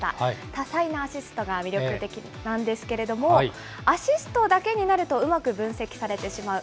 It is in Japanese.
多彩なアシストが魅力的なんですけれども、アシストだけになると、うまく分析されてしまう。